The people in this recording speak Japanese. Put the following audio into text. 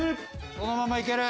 このままいける！